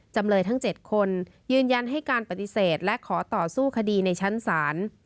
จำเลยทั้ง๗คนยืนยันให้การปฏิเสธและขอต่อสู้คดีในชั้นศาล